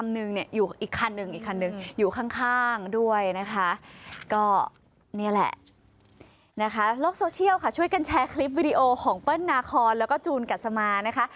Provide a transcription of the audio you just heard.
โลกโซเชียลค่ะช่วยกันแชร์คลิปวิดีโอของเปิ้ลนาคอนแล้วก็จูนกัสมานะคะ